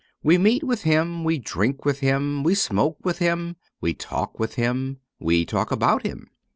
We meet with him, we drink with him, we smoke with him, we talk with him, we talk about him.